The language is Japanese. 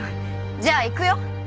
じゃあいくよ。